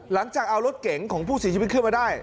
จะเอารถเก๋งของผู้เสียชีวิตขึ้นมาได้